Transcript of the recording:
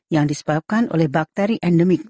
yang disebabkan oleh bakteri endemik